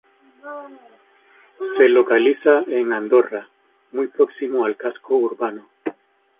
Se localiza en Andorra, muy próximo al casco urbano.